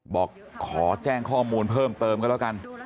บอกขอแจ้งข้อมูลเพิ่มเติมก็แล้วกัน